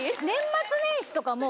年末年始。